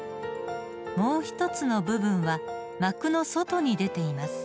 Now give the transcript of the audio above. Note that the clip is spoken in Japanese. もう一つの部分は膜の外に出ています。